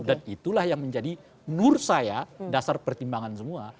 dan itulah yang menjadi nur saya dasar pertimbangan semua